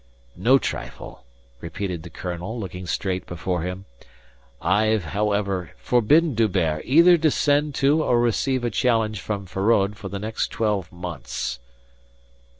"No trifle," repeated the colonel, looking straight before him. "I've, however, forbidden D'Hubert either to send to or receive a challenge from Feraud for the next twelve months."